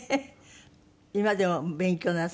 今でも勉強なさるの。